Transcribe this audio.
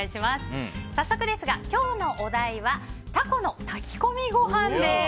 早速ですが、今日のお題はタコの炊き込みご飯です。